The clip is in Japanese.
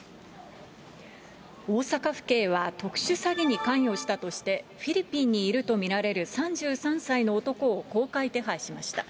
大阪府警は特殊詐欺に関与したとして、フィリピンにいると見られる３３歳の男を公開手配しました。